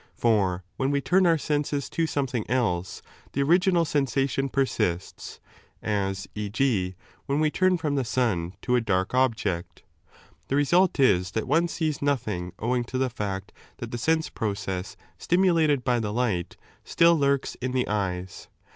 For when we turn our senses to something else, the original sensation persists, as e.g. when we turn from the sun to a dark object. The result is that one sees nothing owing to the fact that the sense process, stimulated by the light, still lurks in the eyes.